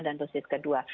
dan dosis kedua